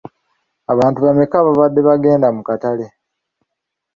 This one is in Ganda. Abantu bammeka abaabadde bagenda mu katale?